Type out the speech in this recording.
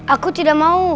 aku tidak mau